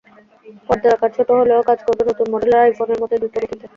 পর্দার আকার ছোট হলেও কাজ করবে নতুন মডেলের আইফোনের মতোই দ্রুতগতিতে।